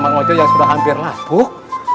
maujot yang sudah hampir lapuk